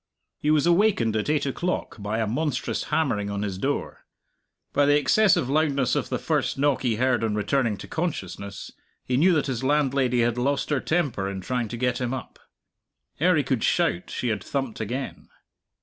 He was awakened at eight o'clock by a monstrous hammering on his door. By the excessive loudness of the first knock he heard on returning to consciousness, he knew that his landlady had lost her temper in trying to get him up. Ere he could shout she had thumped again.